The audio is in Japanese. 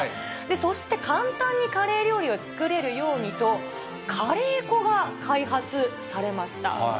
そして、簡単にカレー料理を作れるようにと、カレー粉が開発されました。